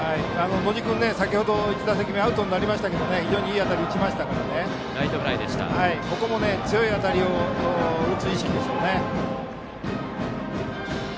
野路君、先程の１打席目はアウトになりましたけど非常にいい当たりを打ちましたのでここも強い当たりを打つ意識でしょうね。